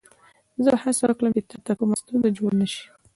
زه به هڅه وکړم چې تا ته کومه ستونزه جوړه نه شي.